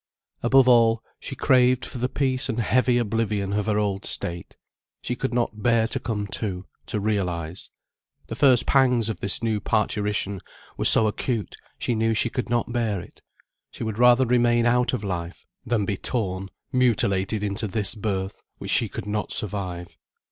Above all, she craved for the peace and heavy oblivion of her old state. She could not bear to come to, to realize. The first pangs of this new parturition were so acute, she knew she could not bear it. She would rather remain out of life, than be torn, mutilated into this birth, which she could not survive.